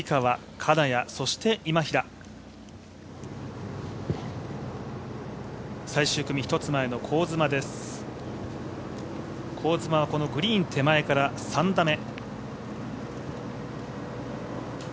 香妻はグリーン手前から３打目。